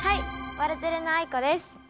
ワルテレのあいこです。